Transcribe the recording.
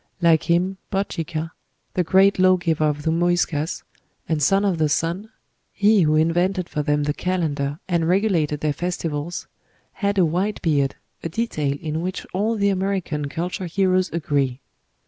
Like him, Bochica, the great law giver of the Muyscas, and son of the sun he who invented for them the calendar and regulated their festivals had a white beard, a detail in which all the American culture heroes agree.